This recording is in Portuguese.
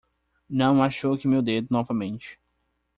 Não machuque meu dedo novamente.